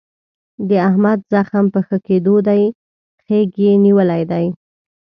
د احمد زخم په ښه کېدو دی. خیګ یې نیولی دی.